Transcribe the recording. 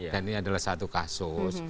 dan ini adalah satu kata